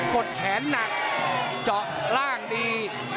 ดแขนหนักเจาะล่างดี